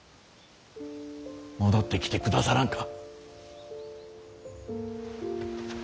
戻ってきてくださらんか。